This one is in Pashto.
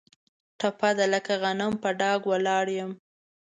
ټپه ده: لکه غنم په ډاګ ولاړ یم.